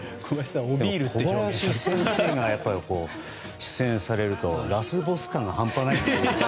小林先生が出演されるとラスボス感が半端ないですね